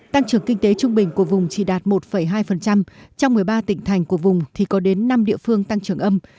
tăng trưởng kinh tế trung bình của vùng chỉ đạt một hai trong một mươi ba tỉnh thành của vùng thì có đến năm địa phương tăng trưởng âm